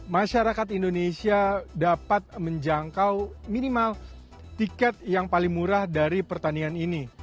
masyarakat indonesia dapat menjangkau minimal tiket yang paling murah dari pertandingan ini